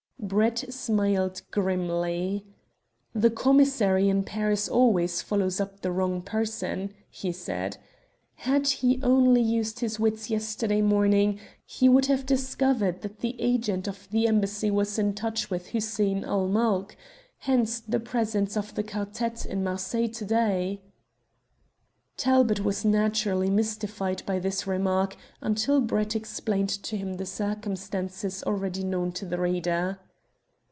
Brett smiled grimly. "The commissary in Paris always follows up the wrong person," he said. "Had he only used his wits yesterday morning he would have discovered that the agent of the Embassy was in touch with Hussein ul Mulk. Hence the presence of the quartette in Marseilles to day." Talbot was naturally mystified by this remark until Brett explained to him the circumstances already known to the reader.